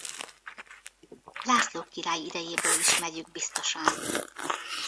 László király idejéből ismerjük biztosan.